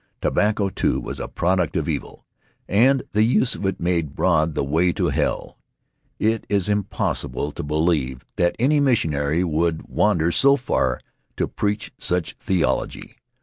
Tobacco, too, was a product of evil, and the use of it made broad the way to hell. It is impossible to believe that any missionary would wan der so far to preach such theology.